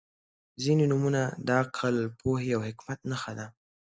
• ځینې نومونه د عقل، پوهې او حکمت نښه ده.